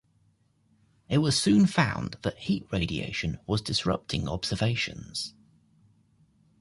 It was soon found that heat radiation was disrupting observations.